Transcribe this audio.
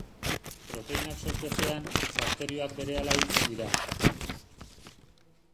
Proteinak sortu ezean, bakterioak berehala hiltzen dira.